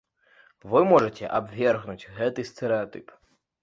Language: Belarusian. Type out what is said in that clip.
Вы можаце абвергнуць гэты стэрэатып?